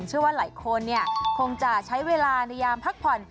เชื่อว่าหลายคนคงจะใช้เวลาในยามพักผ่อน